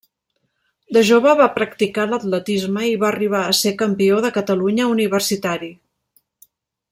De jove va practicar l’atletisme i va arribar a ser campió de Catalunya universitari.